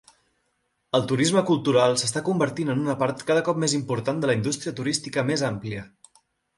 El turisme cultural s'està convertint en una part cada cop més important de la indústria turística més àmplia.